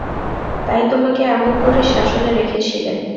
তাই তোমাকে এমন করে শাসনে রেখেছিলেন।